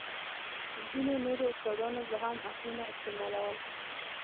ځينو نورو استادانو به هم عطرونه استعمالول.